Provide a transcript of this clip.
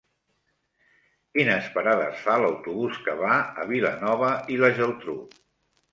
Quines parades fa l'autobús que va a Vilanova i la Geltrú?